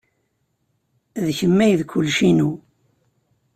D kemm ay d kullec-inu.